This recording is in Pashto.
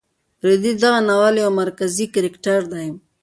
رېدی د دغه ناول یو مرکزي کرکټر دی.